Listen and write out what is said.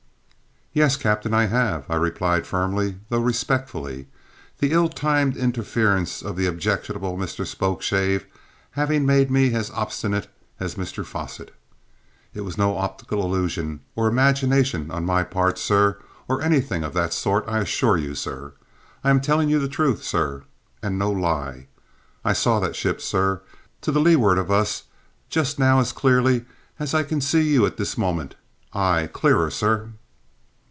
"Yes, captain, I have," I replied firmly, though respectfully, the ill timed interference of the objectionable Mr Spokeshave having made me as obstinate as Mr Fosset. "It was no optical illusion or imagination on my part, sir, or anything of that sort, I assure you, sir. I am telling you the truth, sir, and no lie. I saw that ship, sir, to leeward of us just now as clearly as I can see you at this moment; aye, clearer, sir!"